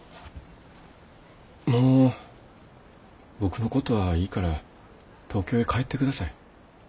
もう僕のことはいいから東京へ帰ってください。